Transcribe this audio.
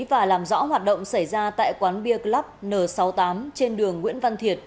và làm rõ hoạt động xảy ra tại quán bia club n sáu mươi tám trên đường nguyễn văn thiệt